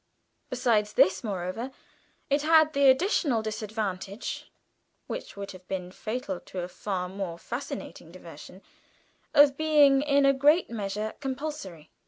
Besides this, moreover, it had the additional disadvantage (which would have been fatal to a far more fascinating diversion) of being in a great measure compulsory.